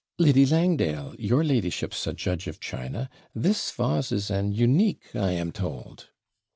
'Lady Langdale, your ladyship's a judge of china this vase is an unique, I am told.'